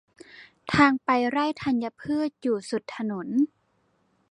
ทางไปไร่ธัญพืชอยู่สุดถนน